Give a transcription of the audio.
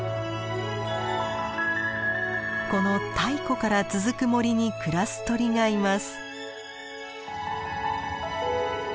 この太古から続く森に暮らす鳥がいます。